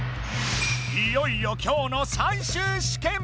いよいよ今日の最終試験！